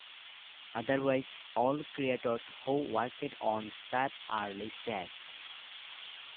Otherwise, all creators who worked on a strip are listed.